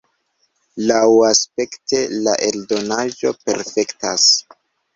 Laŭaspekte la eldonaĵo perfektas.